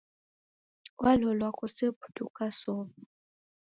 Walolwa kose putu ukasow'a.